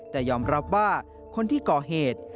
แต่ยอมรับว่าคนที่ก่อเหตุ